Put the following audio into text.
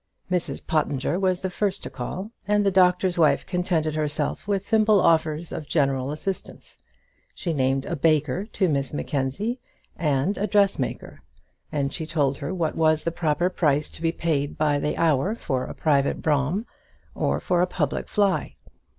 Mrs Pottinger was the first to call, and the doctor's wife contented herself with simple offers of general assistance. She named a baker to Miss Mackenzie, and a dressmaker; and she told her what was the proper price to be paid by the hour for a private brougham or for a public fly.